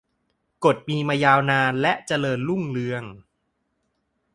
กฎมีมายาวนานและเจริญรุ่งเรือง